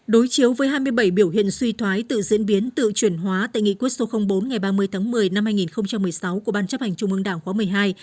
đối chiếu với hai mươi bảy biểu hiện suy thoái tự diễn biến tự chuyển hóa tại nghị quyết số bốn ngày ba mươi tháng một mươi năm hai nghìn một mươi sáu của ban chấp hành trung ương đảng khóa một mươi hai